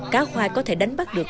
cá khoai có thể đánh bắt được